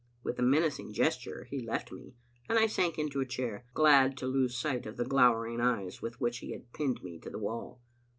With a menacing gesture he left me, and I sank into a chair, glad to lose sight of the glowering eyes with which he had pinned me to the wall.